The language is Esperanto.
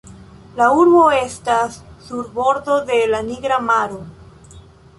La urbo estas sur bordo de la Nigra maro.